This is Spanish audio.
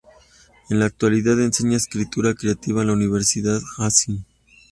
En la actualidad enseña Escritura Creativa en la Universidad Hanshin.